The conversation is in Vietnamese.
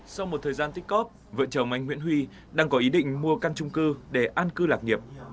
sau một thời gian tích cóp vợ chồng anh nguyễn huy đang có ý định mua căn trung cư để an cư lạc nghiệp